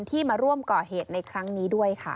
ที่มาร่วมก่อเหตุในครั้งนี้ด้วยค่ะ